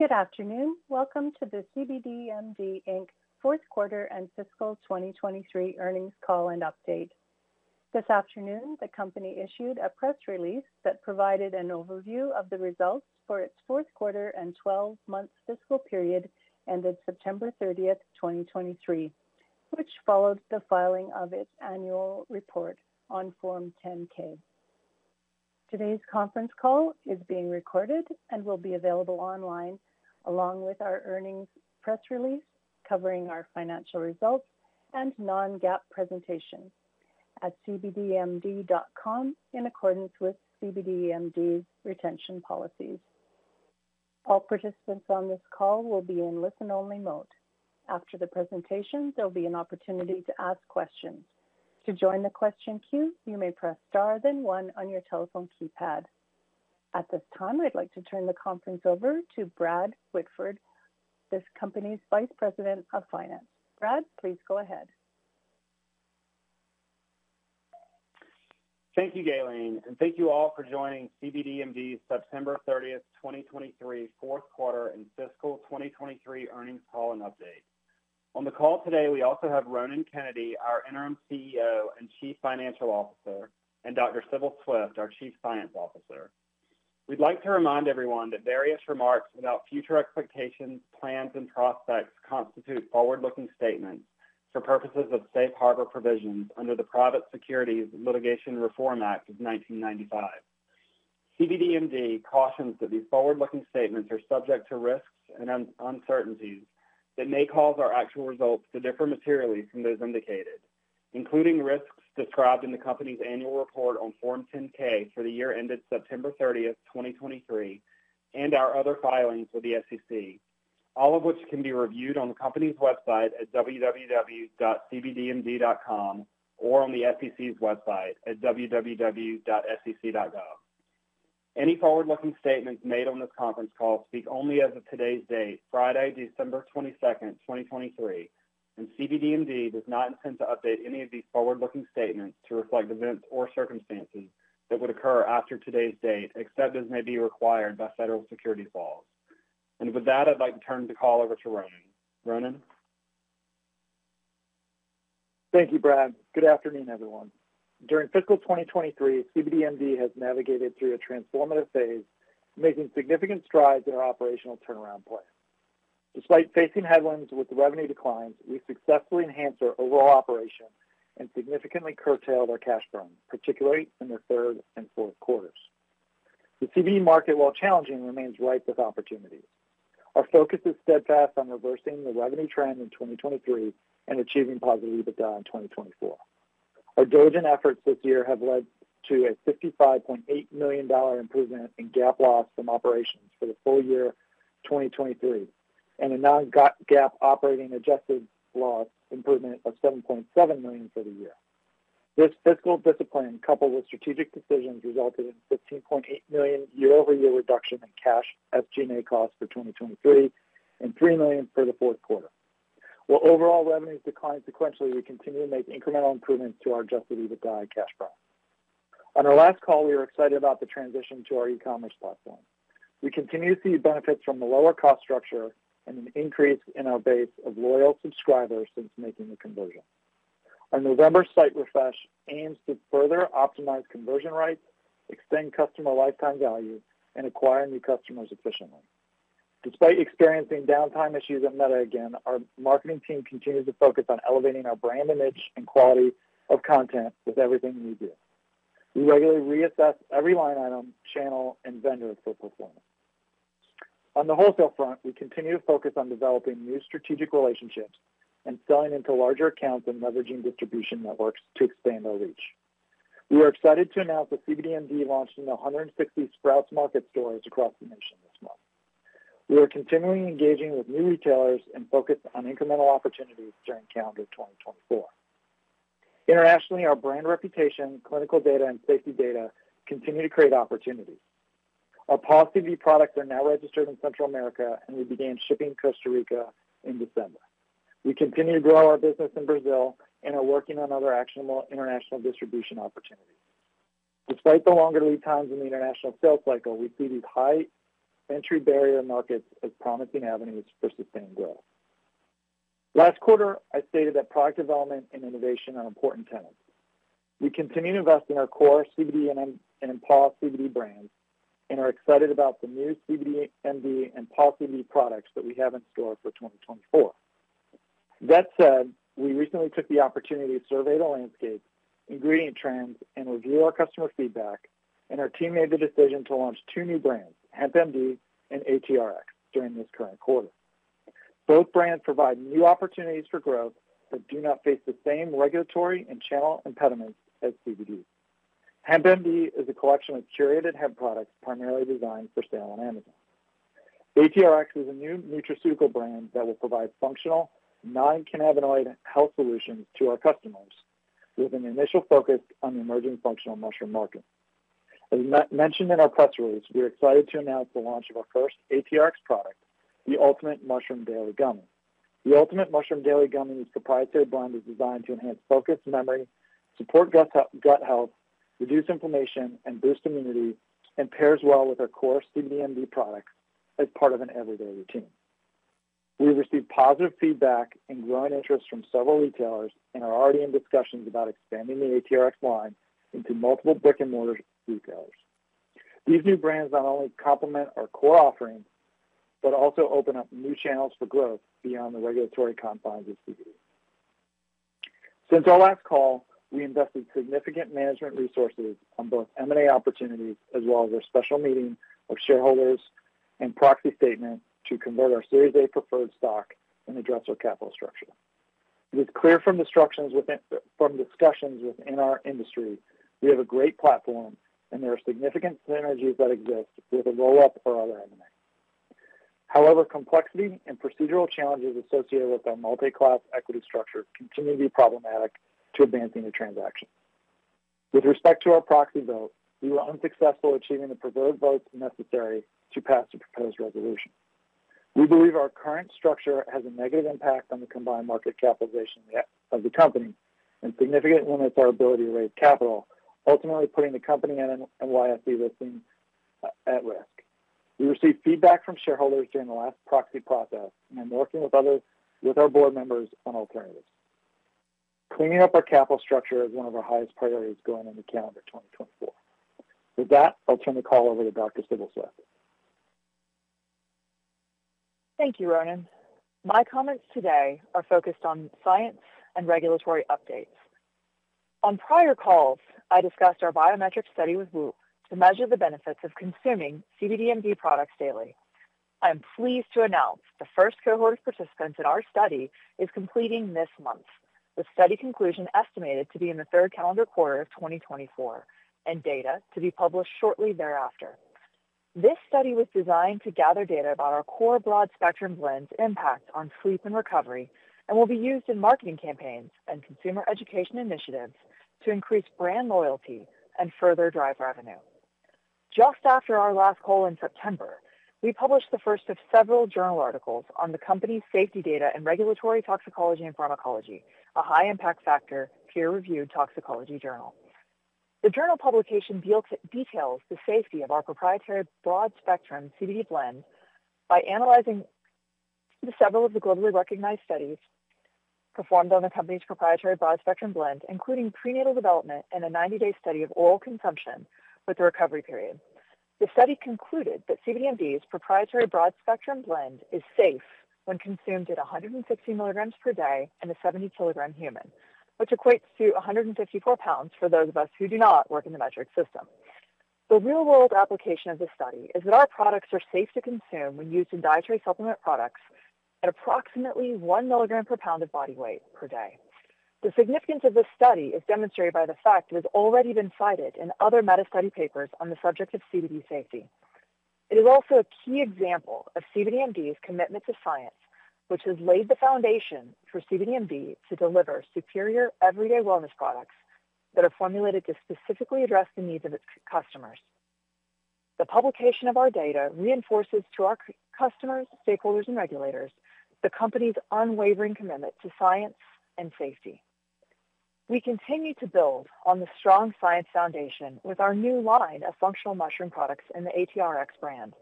Good afternoon. Welcome to the cbdMD, Inc. fourth quarter and fiscal 2023 Earnings Call and update. This afternoon, the company issued a press release that provided an overview of the results for its fourth quarter and 12-month fiscal period ended September thirtieth, 2023, which follows the filing of its annual report on Form 10-K. Today's conference call is being recorded and will be available online, along with our earnings press release covering our financial results and non-GAAP presentation at cbdmd.com, in accordance with cbdMD's retention policies. All participants on this call will be in listen-only mode. After the presentation, there will be an opportunity to ask questions. To join the question queue, you may press Star, then one on your telephone keypad. At this time, I'd like to turn the conference over to Brad Whitford, this company's Vice President of Finance. Brad, please go ahead. Thank you, Gaylene, and thank you all for joining cbdMD's 30th September, 2023, fourth quarter and fiscal 2023 Earnings Call and update. On the call today, we also have Ronan Kennedy, our Interim CEO and Chief Financial Officer, and Dr. Sibyl Swift, our Chief Science Officer. We'd like to remind everyone that various remarks about future expectations, plans, and prospects constitute forward-looking statements for purposes of safe harbor provisions under the Private Securities Litigation Reform Act of 1995. cbdMD cautions that these forward-looking statements are subject to risks and uncertainties that may cause our actual results to differ materially from those indicated, including risks described in the company's annual report on Form 10-K for the year ended 30 September 2023, and our other filings with the SEC, all of which can be reviewed on the company's website at www.cbdmd.com or on the SEC's website at www.sec.gov. Any forward-looking statements made on this conference call speak only as of today's date, Friday, 22 December 2023, and cbdMD does not intend to update any of these forward-looking statements to reflect events or circumstances that would occur after today's date, except as may be required by federal securities laws. With that, I'd like to turn the call over to Ronan. Ronan? Thank you, Brad. Good afternoon, everyone. During fiscal 2023, cbdMD has navigated through a transformative phase, making significant strides in our operational turnaround plan. Despite facing headwinds with the revenue declines, we successfully enhanced our overall operation and significantly curtailed our cash burn, particularly in the third and fourth quarters. The CBD market, while challenging, remains ripe with opportunities. Our focus is steadfast on reversing the revenue trend in 2023 and achieving positive EBITDA in 2024. Our diligent efforts this year have led to a $55.8 million improvement in GAAP loss from operations for the full year 2023, and a non-GAAP operating adjusted loss improvement of $7.7 million for the year. This fiscal discipline, coupled with strategic decisions, resulted in $15.8 million year-over-year reduction in cash SG&A costs for 2023 and $3 million for the fourth quarter. While overall revenues declined sequentially, we continue to make incremental improvements to our adjusted EBITDA and cash burn. On our last call, we were excited about the transition to our e-commerce platform. We continue to see benefits from the lower cost structure and an increase in our base of loyal subscribers since making the conversion. Our November site refresh aims to further optimize conversion rates, extend customer lifetime value, and acquire new customers efficiently. Despite experiencing downtime issues at Meta again, our marketing team continues to focus on elevating our brand image and quality of content with everything we do. We regularly reassess every line item, channel, and vendor for performance. On the wholesale front, we continue to focus on developing new strategic relationships and selling into larger accounts and leveraging distribution networks to expand our reach. We are excited to announce that cbdMD launched in 160 Sprouts Farmers Market stores across the nation this month. We are continuing engaging with new retailers and focused on incremental opportunities during calendar 2024. Internationally, our brand reputation, clinical data, and safety data continue to create opportunities. Our Paw CBD products are now registered in Central America, and we began shipping to Costa Rica in December. We continue to grow our business in Brazil and are working on other actionable international distribution opportunities. Despite the longer lead times in the international sales cycle, we see these high entry barrier markets as promising avenues for sustained growth. Last quarter, I stated that product development and innovation are important tenets. We continue to invest in our core CBD and Paw CBD brands and are excited about the new cbdMD and Paw CBD products that we have in store for 2024. That said, we recently took the opportunity to survey the landscape, ingredient trends, and review our customer feedback, and our team made the decision to launch two new brands, HempMD and ATRx, during this current quarter. Both brands provide new opportunities for growth but do not face the same regulatory and channel impediments as CBD. HempMD is a collection of curated hemp products primarily designed for sale on Amazon. ATRx is a new nutraceutical brand that will provide functional, non-cannabinoid health solutions to our customers, with an initial focus on the emerging functional mushroom market. As mentioned in our press release, we are excited to announce the launch of our first ATRx product, the Ultimate Mushroom Daily Gummies. The Ultimate Mushroom Daily Gummies' proprietary blend is designed to enhance focus, memory, support gut health, reduce inflammation, and boost immunity, and pairs well with our core cbdMD products as part of an everyday routine. We've received positive feedback and growing interest from several retailers, and are already in discussions about expanding the ATRx line into multiple brick-and-mortar retailers. These new brands not only complement our core offerings, but also open up new channels for growth beyond the regulatory confines of CBD. Since our last call, we invested significant management resources on both M&A opportunities, as well as our special meeting of shareholders and proxy statement to convert our Series A preferred stock and address our capital structure. It is clear from discussions within our industry, we have a great platform, and there are significant synergies that exist with a roll-up or other M&A. However, complexity and procedural challenges associated with our multi-class equity structure continue to be problematic to advancing the transaction. With respect to our proxy vote, we were unsuccessful achieving the preferred votes necessary to pass the proposed resolution. We believe our current structure has a negative impact on the combined market capitalization of the company, and significantly limits our ability to raise capital, ultimately putting the company and NYSE listing at risk. We received feedback from shareholders during the last proxy process, and I'm working with our board members on alternatives. Cleaning up our capital structure is one of our highest priorities going into calendar 2024. With that, I'll turn the call over to Dr. Sibyl Swift. Thank you, Ronan. My comments today are focused on science and regulatory updates. On prior calls, I discussed our biometric study with WHOOP to measure the benefits of consuming cbdMD products daily. I am pleased to announce the first cohort of participants in our study is completing this month, with study conclusion estimated to be in the third calendar quarter of 2024, and data to be published shortly thereafter. This study was designed to gather data about our core broad-spectrum blend's impact on sleep and recovery, and will be used in marketing campaigns and consumer education initiatives to increase brand loyalty and further drive revenue. Just after our last call in September, we published the first of several journal articles on the company's safety data in Regulatory Toxicology and Pharmacology, a high impact factor, peer-reviewed toxicology journal. The journal publication details the safety of our proprietary broad-spectrum CBD blend by analyzing the several of the globally recognized studies performed on the company's proprietary broad-spectrum blend, including prenatal development and a 90-day study of oral consumption with a recovery period. The study concluded that cbdMD's proprietary broad-spectrum blend is safe when consumed at 160 milligrams per day in a 70-kilogram human, which equates to 154 pounds for those of us who do not work in the metric system. The real-world application of this study is that our products are safe to consume when used in dietary supplement products at approximately 1 milligram per pound of body weight per day. The significance of this study is demonstrated by the fact it has already been cited in other meta-study papers on the subject of CBD safety. It is also a key example of cbdMD's commitment to science, which has laid the foundation for cbdMD to deliver superior everyday wellness products that are formulated to specifically address the needs of its customers. The publication of our data reinforces to our customers, stakeholders, and regulators, the company's unwavering commitment to science and safety. We continue to build on the strong science foundation with our new line of functional mushroom products in the ATRx brand,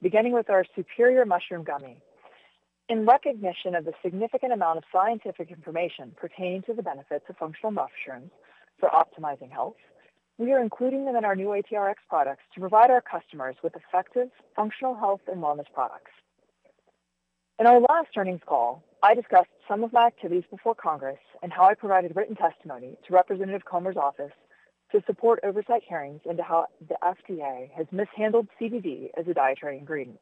beginning with our superior mushroom gummy. In recognition of the significant amount of scientific information pertaining to the benefits of functional mushrooms for optimizing health, we are including them in our new ATRx products to provide our customers with effective functional health and wellness products. In our last earnings call, I discussed some of my activities before Congress and how I provided written testimony to Representative Comer's office to support oversight hearings into how the FDA has mishandled CBD as a dietary ingredient.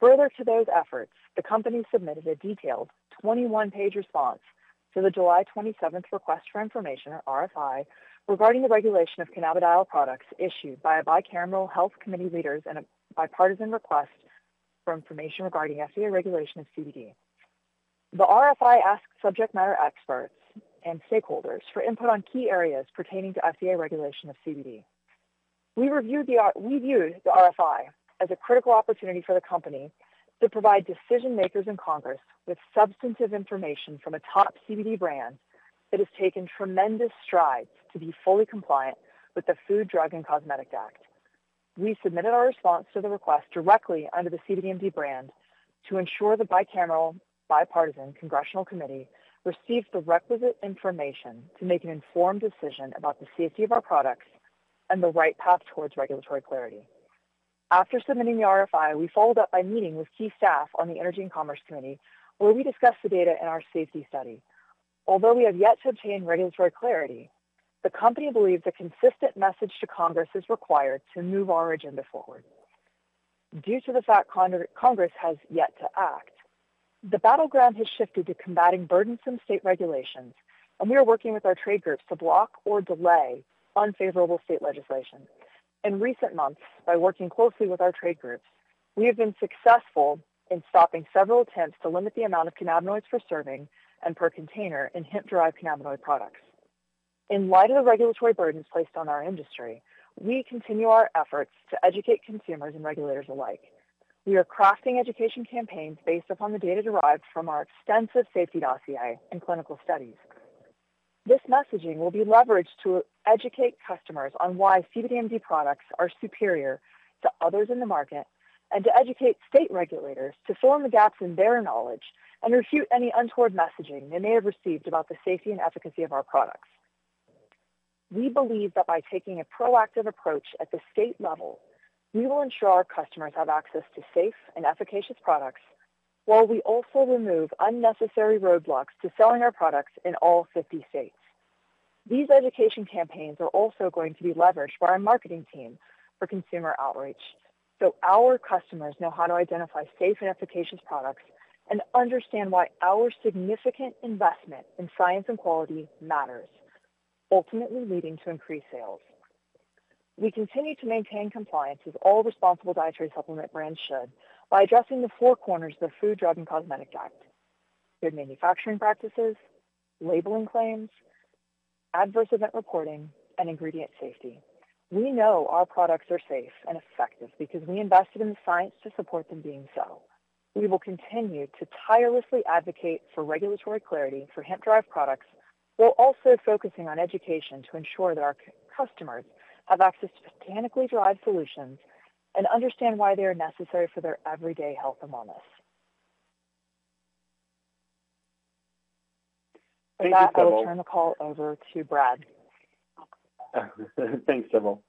Further to those efforts, the company submitted a detailed 21-page response to the 27 July request for information, or RFI, regarding the regulation of cannabidiol products issued by a bicameral health committee leaders and a bipartisan request for information regarding FDA regulation of CBD. The RFI asks subject matter experts and stakeholders for input on key areas pertaining to FDA regulation of CBD. We viewed the RFI as a critical opportunity for the company to provide decision makers in Congress with substantive information from a top CBD brand that has taken tremendous strides to be fully compliant with the Food, Drug, and Cosmetic Act. We submitted our response to the request directly under the cbdMD brand to ensure the bicameral, bipartisan congressional committee receives the requisite information to make an informed decision about the safety of our products and the right path towards regulatory clarity. After submitting the RFI, we followed up by meeting with key staff on the Energy and Commerce Committee, where we discussed the data in our safety study. Although we have yet to obtain regulatory clarity, the company believes a consistent message to Congress is required to move our agenda forward. Due to the fact Congress has yet to act, the battleground has shifted to combating burdensome state regulations, and we are working with our trade groups to block or delay unfavorable state legislation. In recent months, by working closely with our trade groups, we have been successful in stopping several attempts to limit the amount of cannabinoids per serving and per container in hemp-derived cannabinoid products. In light of the regulatory burdens placed on our industry, we continue our efforts to educate consumers and regulators alike. We are crafting education campaigns based upon the data derived from our extensive safety dossier and clinical studies. This messaging will be leveraged to educate customers on why cbdMD products are superior to others in the market, and to educate state regulators to fill the gaps in their knowledge and refute any untoward messaging they may have received about the safety and efficacy of our products. We believe that by taking a proactive approach at the state level, we will ensure our customers have access to safe and efficacious products, while we also remove unnecessary roadblocks to selling our products in all 50 states. These education campaigns are also going to be leveraged by our marketing team for consumer outreach, so our customers know how to identify safe and efficacious products and understand why our significant investment in science and quality matters, ultimately leading to increased sales. We continue to maintain compliance, as all responsible dietary supplement brands should, by addressing the four corners of the Food, Drug, and Cosmetic Act: good manufacturing practices, labeling claims, adverse event reporting, and ingredient safety. We know our products are safe and effective because we invested in the science to support them being so. We will continue to tirelessly advocate for regulatory clarity for hemp-derived products, while also focusing on education to ensure that our customers have access to botanically derived solutions and understand why they are necessary for their everyday health and wellness. Thank you, Sibyl. With that, I will turn the call over to Brad. Thanks, Sibyl.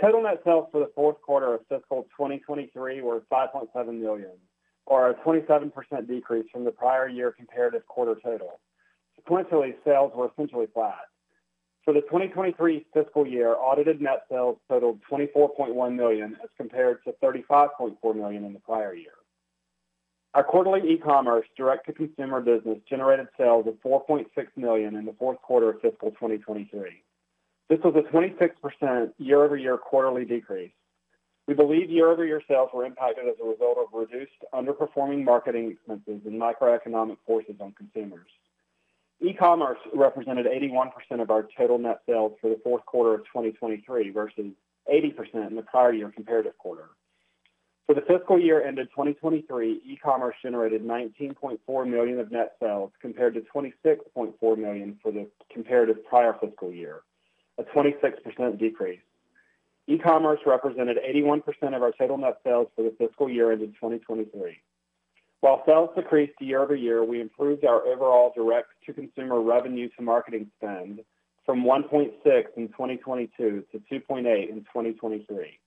Total net sales for the fourth quarter of fiscal 2023 were $5.7 million, or a 27% decrease from the prior year comparative quarter total. Sequentially, sales were essentially flat. For the 2023 fiscal year, audited net sales totaled $24.1 million, as compared to $35.4 million in the prior year. Our quarterly e-commerce direct-to-consumer business generated sales of $4.6 million in the fourth quarter of fiscal 2023. This was a 26% year-over-year quarterly decrease. We believe year-over-year sales were impacted as a result of reduced underperforming marketing expenses and microeconomic forces on consumers. E-commerce represented 81% of our total net sales for the fourth quarter of 2023, versus 80% in the prior year comparative quarter. For the fiscal year ended 2023, e-commerce generated $19.4 million of net sales, compared to $26.4 million for the comparative prior fiscal year, a 26% decrease. E-commerce represented 81% of our total net sales for the fiscal year ended 2023. While sales decreased year-over-year, we improved our overall direct-to-consumer revenue to marketing spend from 1.6 in 2022 to 2.8 in 2023.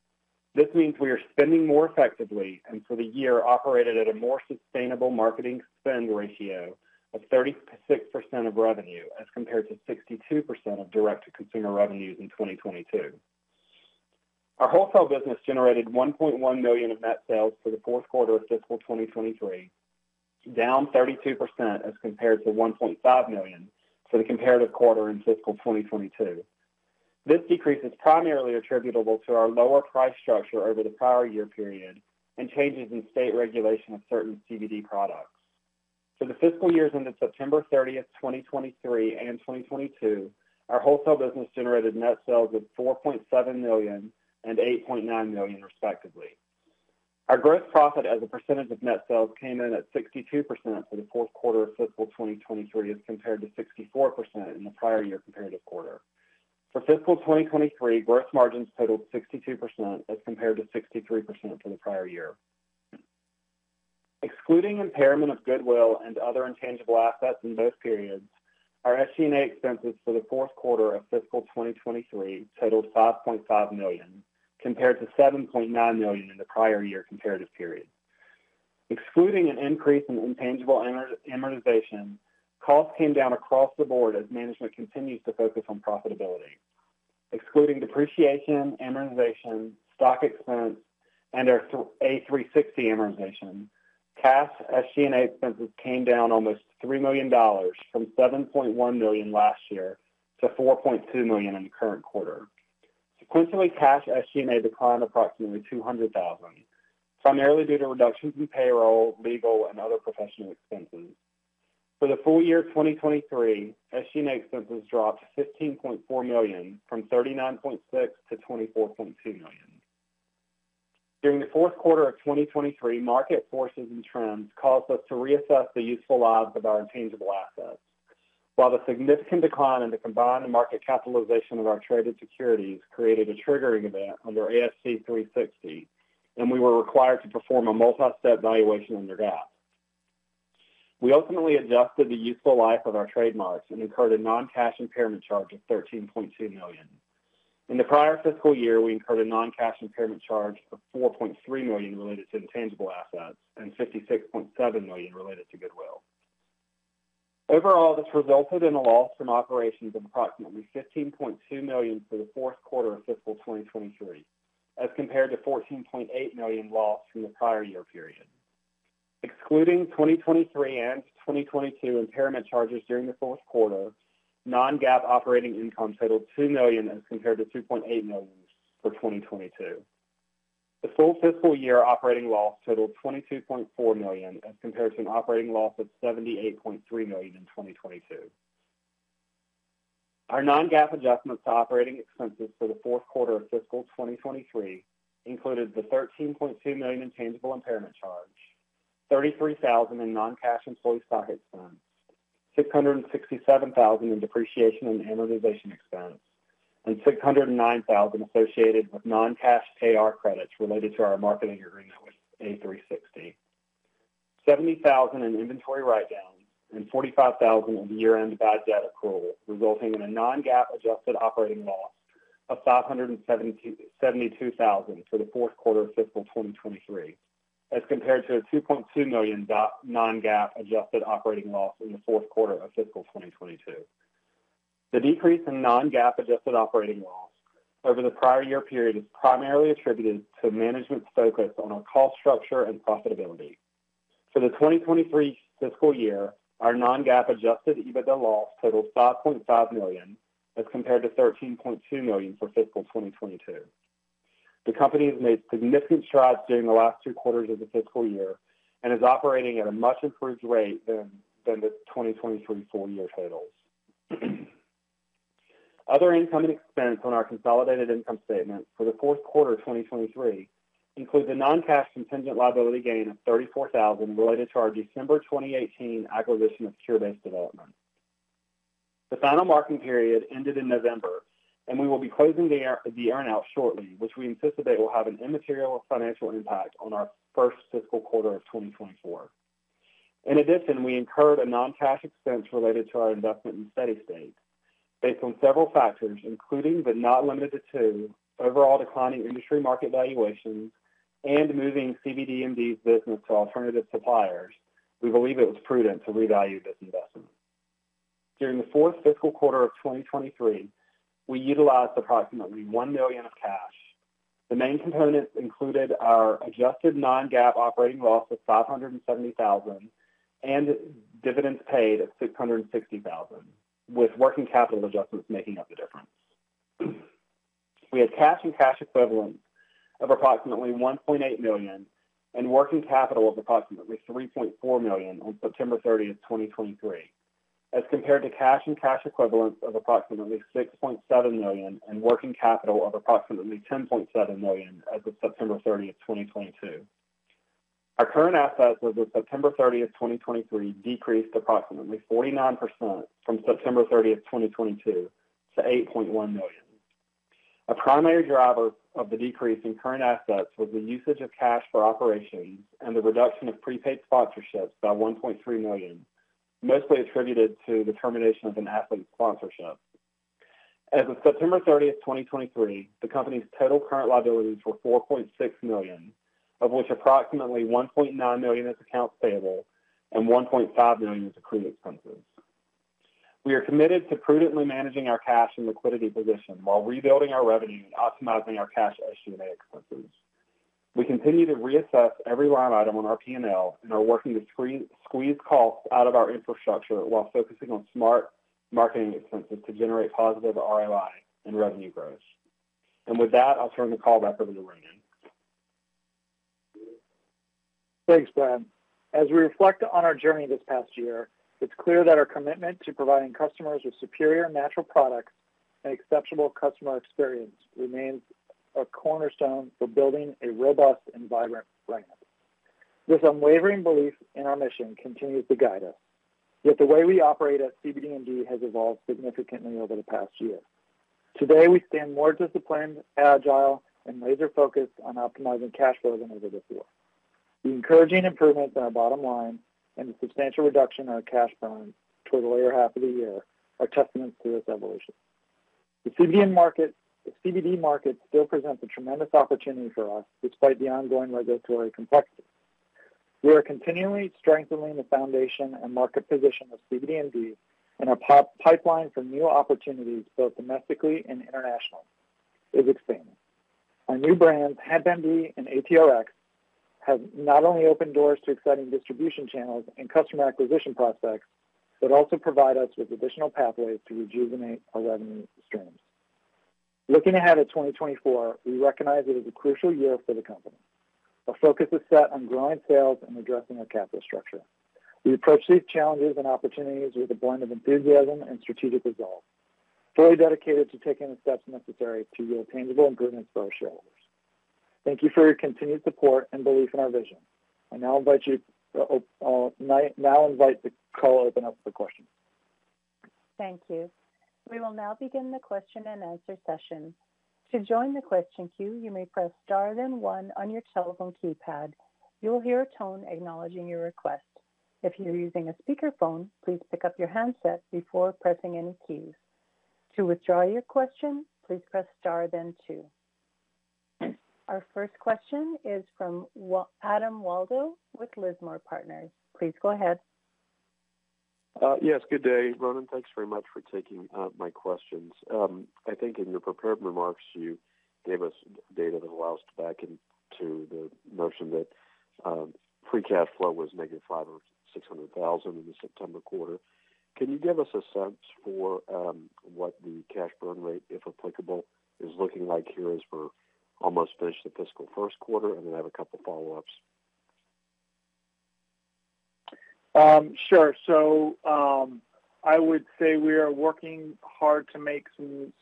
This means we are spending more effectively, and for the year, operated at a more sustainable marketing spend ratio of 36% of revenue, as compared to 62% of direct-to-consumer revenues in 2022. Our wholesale business generated $1.1 million of net sales for the fourth quarter of fiscal 2023, down 32% as compared to $1.5 million for the comparative quarter in fiscal 2022. This decrease is primarily attributable to our lower price structure over the prior year period and changes in state regulation of certain CBD products. For the fiscal years ended September 30th, 2023 and 2022, our wholesale business generated net sales of $4.7 million and $8.9 million, respectively. Our gross profit as a percentage of net sales came in at 62% for the fourth quarter of fiscal 2023, as compared to 64% in the prior year comparative quarter. For fiscal 2023, gross margins totaled 62%, as compared to 63% for the prior year. Excluding impairment of goodwill and other intangible assets in both periods, our SG&A expenses for the fourth quarter of fiscal 2023 totaled $5.5 million, compared to $7.9 million in the prior year comparative period. Excluding an increase in intangible amortization, costs came down across the board as management continues to focus on profitability. Excluding depreciation, amortization, stock expense, and our A360 amortization, cash SG&A expenses came down almost $3 million, from $7.1 million last year to $4.2 million in the current quarter. Sequentially, cash SG&A declined approximately $200,000, primarily due to reductions in payroll, legal, and other professional expenses. For the full year of 2023, SG&A expenses dropped to $15.4 million, from $39.6 million to $24.2 million. During the fourth quarter of 2023, market forces and trends caused us to reassess the useful lives of our intangible assets. While the significant decline in the combined market capitalization of our traded securities created a triggering event under ASC 360, and we were required to perform a multi-step valuation under GAAP. We ultimately adjusted the useful life of our trademarks and incurred a non-cash impairment charge of $13.2 million. In the prior fiscal year, we incurred a non-cash impairment charge of $4.3 million related to intangible assets and $56.7 million related to goodwill. Overall, this resulted in a loss from operations of approximately $15.2 million for the fourth quarter of fiscal 2023, as compared to $14.8 million loss from the prior year period. Excluding 2023 and 2022 impairment charges during the fourth quarter, non-GAAP operating income totaled $2 million, as compared to $2.8 million for 2022. The full fiscal year operating loss totaled $22.4 million, as compared to an operating loss of $78.3 million in 2022. Our non-GAAP adjustments to operating expenses for the fourth quarter of fiscal 2023 included the $13.2 million intangible impairment charge, $33,000 in non-cash employee stock expense, $667,000 in depreciation and amortization expense, and $609,000 associated with non-cash AR credits related to our marketing agreement with A360. $70,000 in inventory write-down and $45,000 in the year-end bad debt accrual, resulting in a non-GAAP adjusted operating loss of $572,000 for the fourth quarter of fiscal 2023, as compared to a $2.2 million non-GAAP adjusted operating loss in the fourth quarter of fiscal 2022. The decrease in non-GAAP adjusted operating loss over the prior year period is primarily attributed to management's focus on our cost structure and profitability. For the 2023 fiscal year, our non-GAAP adjusted EBITDA loss totaled $5.5 million, as compared to $13.2 million for fiscal 2022. The company has made significant strides during the last two quarters of the fiscal year and is operating at a much improved rate than the 2023 full year totals. Other income and expense on our consolidated income statement for the fourth quarter of 2023 include the non-cash contingent liability gain of $34,000 related to our December 2018 acquisition of Cure Based Development. The final marking period ended in November, and we will be closing the earn out shortly, which we anticipate will have an immaterial financial impact on our first fiscal quarter of 2024. In addition, we incurred a non-cash expense related to our investment in Steady State. Based on several factors, including but not limited to, overall declining industry market valuations and moving cbdMD's business to alternative suppliers, we believe it was prudent to revalue this investment. During the fourth fiscal quarter of 2023, we utilized approximately $1 million of cash. The main components included our adjusted non-GAAP operating loss of $570,000, and dividends paid at $660,000, with working capital adjustments making up the difference. We had cash and cash equivalents of approximately $1.8 million and working capital of approximately $3.4 million on September 30, 2023, as compared to cash and cash equivalents of approximately $6.7 million and working capital of approximately $10.7 million as of September 30, 2022. Our current assets as of September 30, 2023, decreased approximately 49% from September 30, 2022, to $8.1 million. A primary driver of the decrease in current assets was the usage of cash for operations and the reduction of prepaid sponsorships by $1.3 million, mostly attributed to the termination of an athlete sponsorship. As of September 30, 2023, the company's total current liabilities were $4.6 million, of which approximately $1.9 million is accounts payable and $1.5 million is accrued expenses. We are committed to prudently managing our cash and liquidity position while rebuilding our revenue and optimizing our cash SG&A expenses. We continue to reassess every line item on our P&L and are working to squeeze costs out of our infrastructure while focusing on smart marketing expenses to generate positive ROI and revenue growth. With that, I'll turn the call back over to Ronan. Thanks, Brad. As we reflect on our journey this past year, it's clear that our commitment to providing customers with superior natural products and exceptional customer experience remains a cornerstone for building a robust and vibrant brand. This unwavering belief in our mission continues to guide us, yet the way we operate at cbdMD has evolved significantly over the past year. Today, we stand more disciplined, agile, and laser-focused on optimizing cash flow than ever before. The encouraging improvements in our bottom line and the substantial reduction in our cash burn towards the latter half of the year are testament to this evolution. The CBN market - the CBD market still presents a tremendous opportunity for us, despite the ongoing regulatory complexities. We are continually strengthening the foundation and market position of cbdMD, and our pop- pipeline for new opportunities, both domestically and internationally, is expanding. Our new brands, HempMD and ATRx, have not only opened doors to exciting distribution channels and customer acquisition prospects, but also provide us with additional pathways to rejuvenate our revenue streams. Looking ahead at 2024, we recognize it is a crucial year for the company. Our focus is set on growing sales and addressing our capital structure. We approach these challenges and opportunities with a blend of enthusiasm and strategic resolve, fully dedicated to taking the steps necessary to yield attainable improvements for our shareholders. Thank you for your continued support and belief in our vision. I now invite the call to open up for questions. Thank you. We will now begin the question and answer session. To join the question queue, you may press star, then one on your telephone keypad. You will hear a tone acknowledging your request. If you are using a speakerphone, please pick up your handset before pressing any keys. To withdraw your question, please press star, then two. Our first question is from Adam Waldo with Lismore Partners. Please go ahead. Yes, good day, Ronan. Thanks very much for taking my questions. I think in your prepared remarks, you gave us data that allows us to mentioned that free cash flow was negative $500,000-$600,000 in the September quarter. Can you give us a sense for what the cash burn rate, if applicable, is looking like here as we're almost finished the fiscal first quarter? And then I have a couple follow-ups. Sure. So, I would say we are working hard to make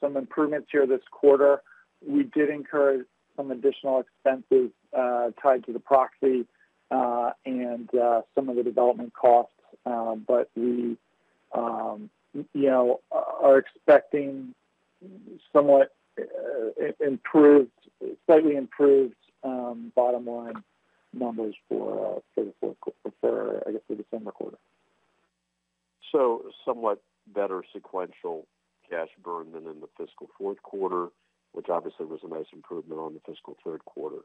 some improvements here this quarter. We did incur some additional expenses tied to the proxy and some of the development costs. But we, you know, are expecting somewhat improved- slightly improved bottom line numbers for the fourth quarter- for, I guess, the December quarter. So somewhat better sequential cash burn than in the fiscal fourth quarter, which obviously was a nice improvement on the fiscal third quarter.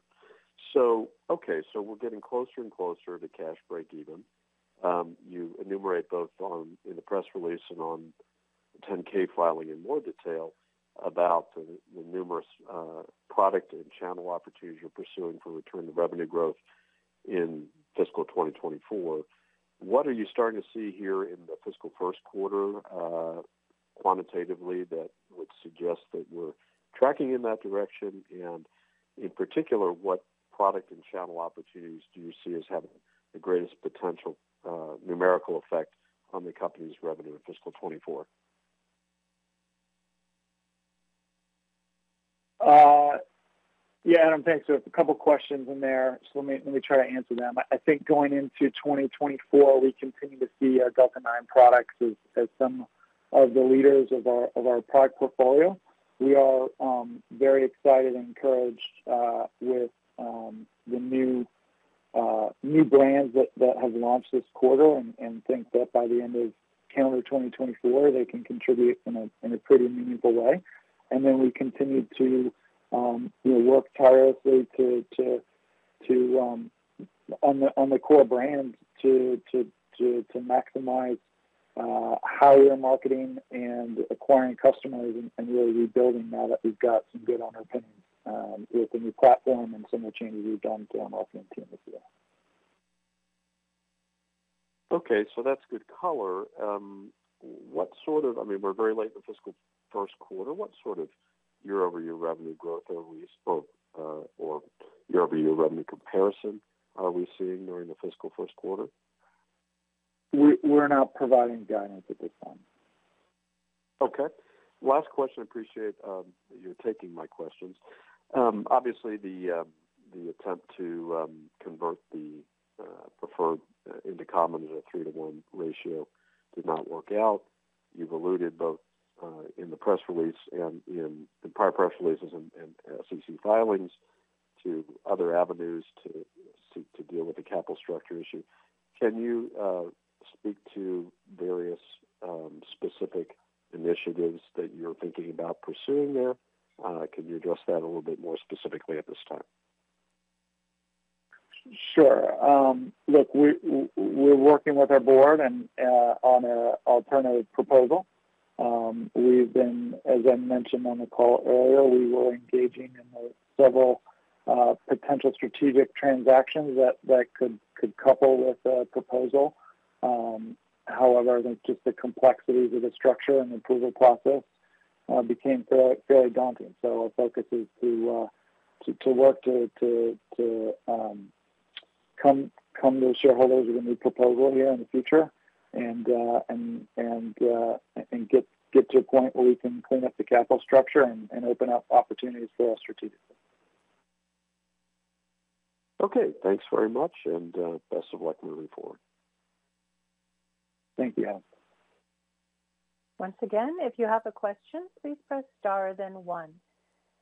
So okay, so we're getting closer and closer to cash breakeven. You enumerate both on, in the press release and on the 10-K filing in more detail about the numerous product and channel opportunities you're pursuing for return to revenue growth in fiscal 2024. What are you starting to see here in the fiscal first quarter, quantitatively, that would suggest that we're tracking in that direction? And in particular, what product and channel opportunities do you see as having the greatest potential, numerical effect on the company's revenue in fiscal 2024? Yeah, Adam, thanks. So a couple questions in there, so let me, let me try to answer them. I think going into 2024, we continue to see Delta-9 products as, as some of the leaders of our, of our product portfolio. We are very excited and encouraged with the new, new brands that, that have launched this quarter, and, and think that by the end of calendar 2024, they can contribute in a, in a pretty meaningful way. And then we continue to, you know, work tirelessly to, to, to, on the, on the core brands, to, to, to, to maximize how we are marketing and acquiring customers and really rebuilding now that we've got some good underpinnings with the new platform and some of the changes we've done to our marketing team as well. Okay, so that's good color. What sort of... I mean, we're very late in the fiscal first quarter. What sort of year-over-year revenue growth are we spoke, or year-over-year revenue comparison are we seeing during the fiscal first quarter? We're not providing guidance at this time. Okay, last question. I appreciate you taking my questions. Obviously, the attempt to convert the preferred into common at a three to one ratio did not work out. You've alluded, both, in the press release and in the prior press releases and SEC filings, to other avenues to deal with the capital structure issue. Can you speak to various specific initiatives that you're thinking about pursuing there? Can you address that a little bit more specifically at this time? Sure. Look, we're working with our board and on an alternative proposal. As I mentioned on the call earlier, we were engaging in several potential strategic transactions that could couple with the proposal. However, just the complexities of the structure and approval process became fairly daunting. So our focus is to work to come to shareholders with a new proposal here in the future and get to a point where we can clean up the capital structure and open up opportunities for us strategically. Okay, thanks very much, and best of luck moving forward. Thank you, Adam. Once again, if you have a question, please press star, then one.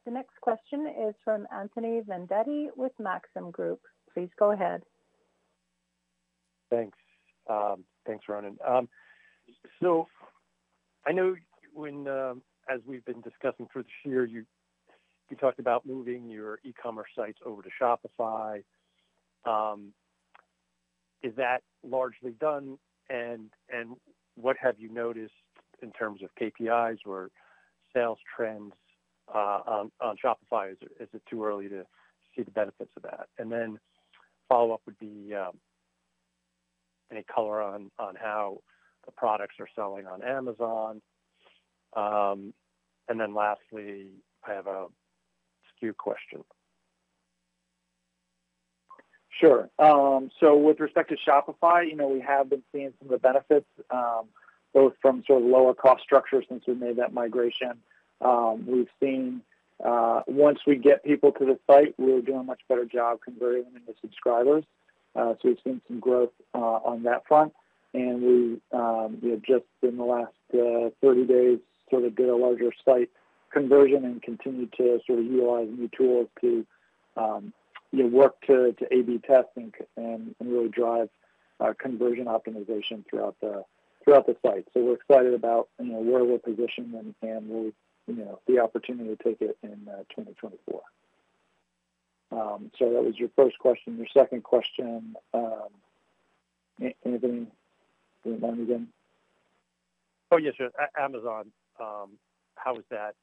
The next question is from Anthony Vendetti with Maxim Group. Please go ahead. Thanks. Thanks, Ronan. So I know when, as we've been discussing through this year, you, you talked about moving your e-commerce sites over to Shopify. Is that largely done? And, and what have you noticed in terms of KPIs or sales trends, on, on Shopify? Is, is it too early to see the benefits of that? And then follow-up would be, any color on, on how the products are selling on Amazon. And then lastly, I have a SKU question. Sure. So with respect to Shopify, you know, we have been seeing some of the benefits, both from sort of lower cost structure since we made that migration. We've seen, once we get people to the site, we're doing a much better job converting them into subscribers. So we've seen some growth on that front. And we, you know, just in the last 30 days, sort of get a larger site conversion and continue to sort of utilize new tools to, you know, work to A/B testing and really drive our conversion optimization throughout the site. So we're excited about, you know, where we're positioned and we, you know, the opportunity to take it in 2024. So that was your first question. Your second question, anything? Remind me again?... Oh, yes, sure. Amazon, how is that,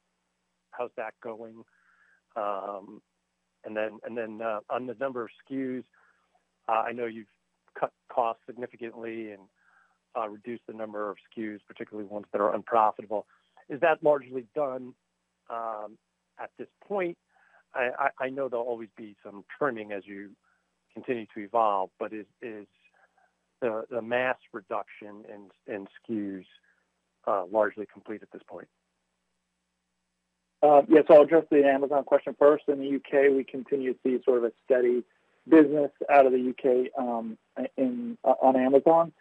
how's that going? And then, and then, on the number of SKUs, I know you've cut costs significantly and, reduced the number of SKUs, particularly ones that are unprofitable. Is that largely done, at this point? I, I, I know there'll always be some trimming as you continue to evolve, but is, is the, the mass reduction in, in SKUs, largely complete at this point? Yes. So I'll address the Amazon question first. In the UK, we continue to see sort of a steady business out of the UK, in on Amazon.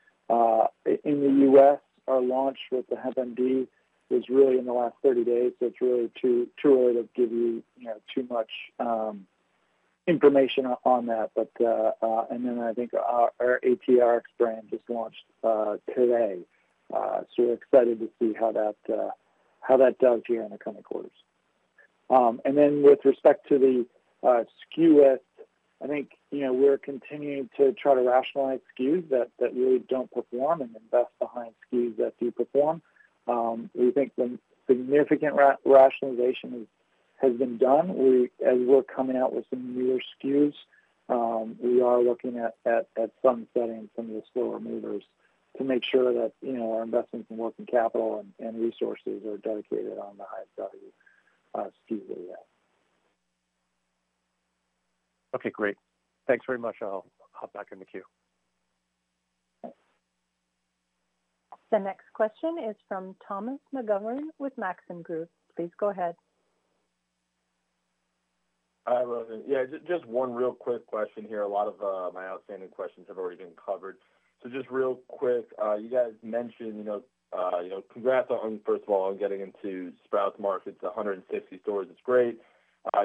In the U.S., our launch with the HempMD was really in the last 30 days, so it's really too early to give you, you know, too much information on that. But then I think our ATRx brand just launched today. So we're excited to see how that does here in the coming quarters. And then with respect to the SKU list, I think, you know, we're continuing to try to rationalize SKUs that really don't perform and invest behind SKUs that do perform. We think the significant rationalization has been done. We, as we're coming out with some newer SKUs, we are looking at sunsetting some of the slower movers to make sure that, you know, our investments in working capital and resources are dedicated on the highest value SKUs that we have. Okay, great. Thanks very much. I'll hop back in the queue. The next question is from Thomas McGovern with Maxim Group. Please go ahead. Hi, Ronan. Yeah, just one real quick question here. A lot of my outstanding questions have already been covered. So just real quick, you guys mentioned, you know, you know, congrats on, first of all, on getting into Sprouts markets, 160 stores, it's great.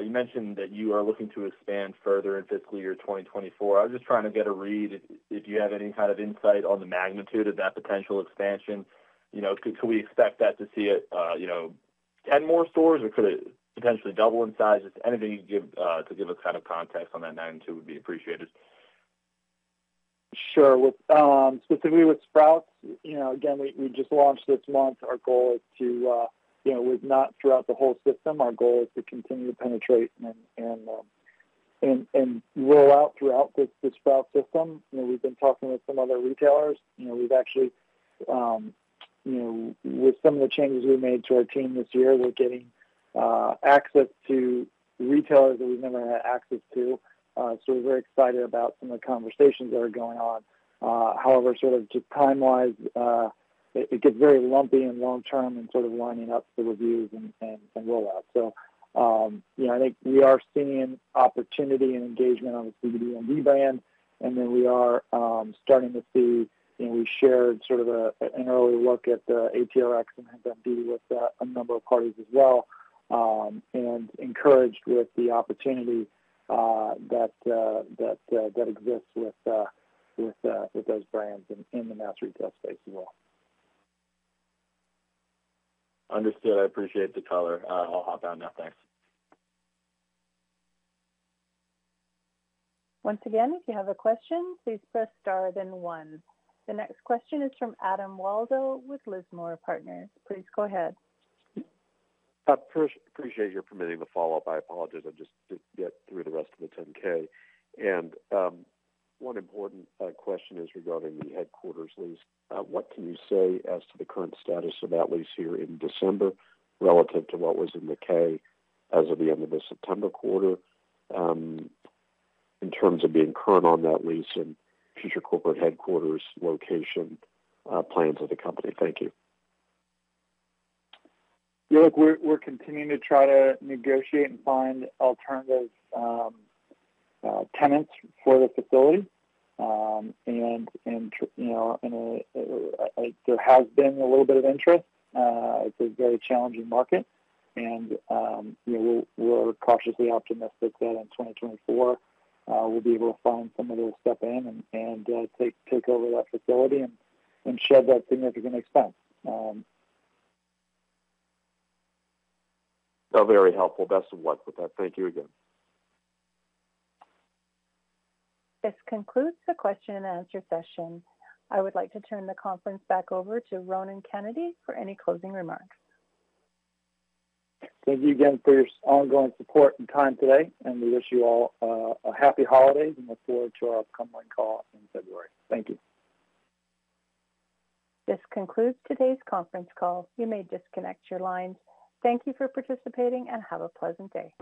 You mentioned that you are looking to expand further in fiscal year 2024. I was just trying to get a read, if you have any kind of insight on the magnitude of that potential expansion. You know, can we expect that to see it, you know, 10 more stores, or could it potentially double in size? Just anything you can give to give us kind of context on that 92 would be appreciated. Sure. With specifically with Sprouts, you know, again, we just launched this month. Our goal is to you know, with not throughout the whole system, our goal is to continue to penetrate and roll out throughout the Sprouts system. You know, we've been talking with some other retailers. You know, we've actually you know, with some of the changes we've made to our team this year, we're getting access to retailers that we've never had access to. So we're very excited about some of the conversations that are going on. However, sort of just time-wise, it gets very lumpy and long-term in sort of lining up the reviews and rollout. So, you know, I think we are seeing opportunity and engagement on the cbdMD brand, and then we are starting to see, you know, we shared sort of an early look at the ATRx and HempMD with a number of parties as well, and encouraged with the opportunity that exists with those brands in the mass retail space as well. Understood. I appreciate the color. I'll hop down now. Thanks. Once again, if you have a question, please press star then one. The next question is from Adam Waldo with Lismore Partners. Please go ahead. Appreciate your permitting the follow-up. I apologize. I'm just did get through the rest of the 10-K. One important question is regarding the headquarters lease. What can you say as to the current status of that lease here in December, relative to what was in the 10-K as of the end of the September quarter, in terms of being current on that lease and future corporate headquarters location plans of the company? Thank you. Yeah, look, we're continuing to try to negotiate and find alternative tenants for the facility. You know, there has been a little bit of interest. It's a very challenging market and, you know, we're cautiously optimistic that in 2024, we'll be able to find somebody to step in and take over that facility and shed that significant expense. Oh, very helpful. Best of luck with that. Thank you again. This concludes the question and answer session. I would like to turn the conference back over to Ronan Kennedy for any closing remarks. Thank you again for your ongoing support and time today, and we wish you all a happy holidays and look forward to our upcoming call in February. Thank you. This concludes today's conference call. You may disconnect your lines. Thank you for participating and have a pleasant day.